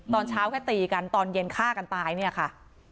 ตอนเช้าแค่ตีกันตอนเย็นฆ่ากันตายเนี่ยค่ะ